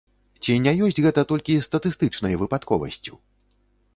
Ці не ёсць гэта толькі статыстычнай выпадковасцю?